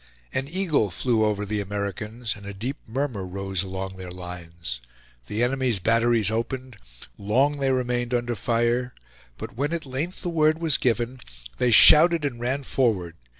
An eagle flew over the Americans, and a deep murmur rose along their lines. The enemy's batteries opened; long they remained under fire, but when at length the word was given, they shouted and ran forward.